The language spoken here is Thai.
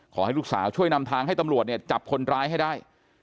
ขอให้ลูกสาวช่วยนำทางให้ตำรวจเนี่ยจับคนร้ายให้ได้